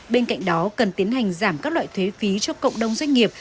bên cạnh đó cần tiến hành giảm các loại thuế phí cho cộng đồng doanh nghiệp